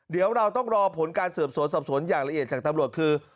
เดี๋ยวเราต้องรอผลการสืบสวนสอบสวนอย่างละเอียดจากตำรวจคือ